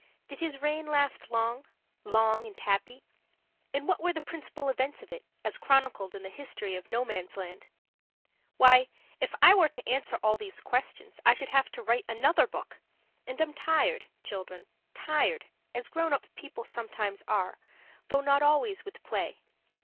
Did his reign last long long and happy? and what were the principal events of it, as chronicled in the history of Nomansland? Why, if I were to answer all these questions I should have to write another book. And I'm tired, children, tired as grown up people sometimes are, though not always with play.